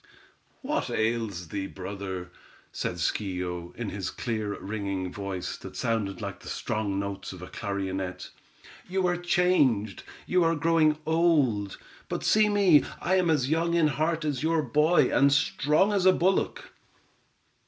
"What ails thee, brother," said Schio, in his clear, ringing voice, that sounded like the strong notes of a clarionet. "You are changed; you are growing old, but see me, I am as young in heart as your boy, and strong as a bullock."